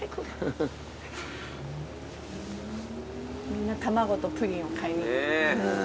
みんな卵とプリンを買いに。